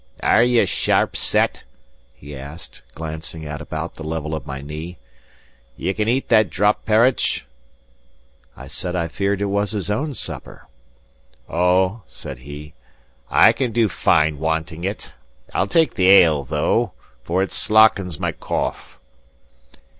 "Are ye sharp set?" he asked, glancing at about the level of my knee. "Ye can eat that drop parritch?" I said I feared it was his own supper. "O," said he, "I can do fine wanting it. I'll take the ale, though, for it slockens (moistens) my cough."